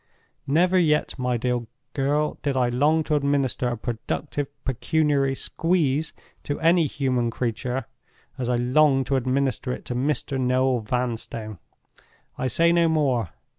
Never yet, my dear girl, did I long to administer a productive pecuniary Squeeze to any human creature, as I long to administer it to Mr. Noel Vanstone. I say no more.